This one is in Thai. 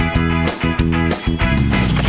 เบบ๊อน